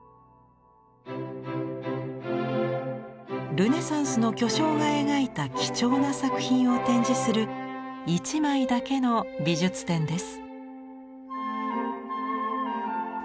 ルネサンスの巨匠が描いた貴重な作品を展示する一枚だけの美術展です。